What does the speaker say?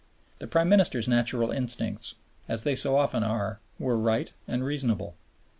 The Prime Minister's natural instincts, as they so often are, were right and reasonable.